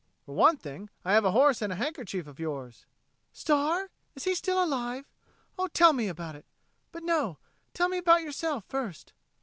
"For one thing, I have a horse and a handkerchief of yours." "Star! Is he still alive? Oh, tell me about it. But, no tell me about yourself first."